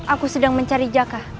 aku sedang mencari jaka